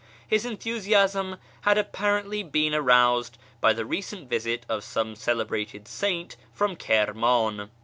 His enthusiasm had apparently been aroused by the recent visit of some celebrated saint from Kirman.